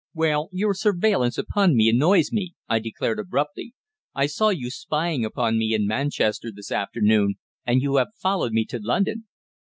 "Well, your surveillance upon me annoys me," I declared abruptly. "I saw you spying upon me in Manchester this afternoon, and you have followed me to London!"